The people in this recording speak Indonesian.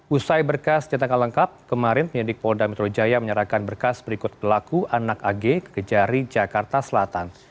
usai berkas jatah kalengkap kemarin penyidik polda metro jaya menyerahkan berkas berikut pelaku anak ag kekejari jakarta selatan